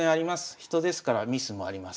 人ですからミスもあります。